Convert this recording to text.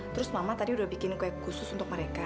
terus mama tadi udah bikin kue khusus untuk mereka